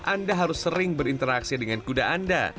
anda harus sering berinteraksi dengan kuda anda